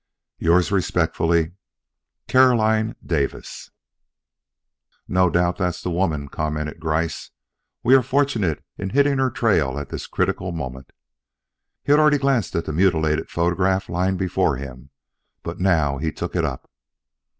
Yours respectfully, Caroline Davis. "No doubt that's the woman," commented Gryce. "We are fortunate in hitting her trail at this critical moment." He had already glanced at the mutilated photograph lying before him, but now he took it up.